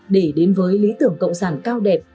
để đến với lý tưởng cộng sản cao đẹp